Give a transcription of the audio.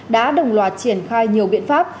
đã đồng loạt triển khai nhiều biện pháp